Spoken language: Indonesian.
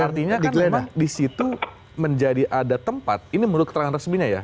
artinya kan memang di situ menjadi ada tempat ini menurut keterangan resminya ya